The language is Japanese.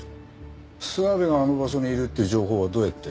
諏訪部があの場所にいるっていう情報はどうやって？